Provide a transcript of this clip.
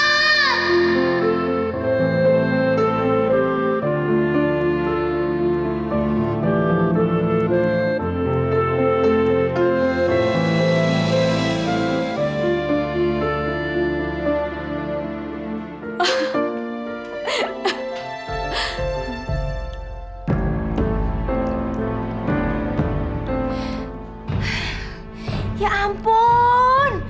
ah ya ampun